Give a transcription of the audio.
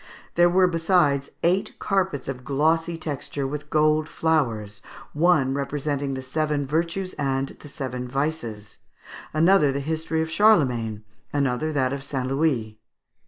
There were, besides, eight carpets of glossy texture, with gold flowers; one representing "The Seven Virtues and the Seven Vices;" another the history of Charlemagne; another that of St. Louis.